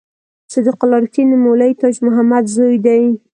صدیق الله رښتین د مولوي تاج محمد زوی دی.